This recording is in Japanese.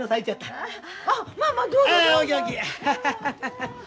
ハハハハハ。